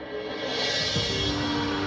dan tuhan adalah tuhan